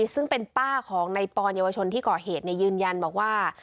ซึ่งเป็นป้าของในปอนเยาวชนที่ก่อเหตุยืนยันบอกว่า